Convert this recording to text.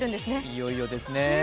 いよいよですね。